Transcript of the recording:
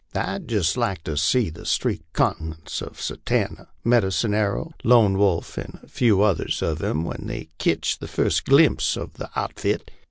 " Pd jist like to see the streaked countenances of Satanta, Medicine Arrow, Lone Wolf, and a few others of 'em, when they ketch the fust glimpse of the outfit.